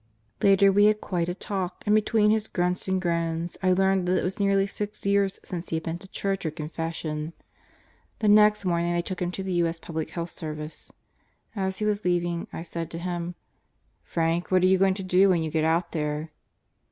Later we had quite a talk and between his grunts and groans I learned that it was nearly six years since he had been to Church or Confession. The next morning they took him to the IT. S. Public Health Service. As be was leaving I said to him: "Frank, what are you going to do when you get out there?"